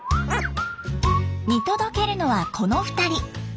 見届けるのはこの２人。